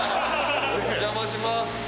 お邪魔します。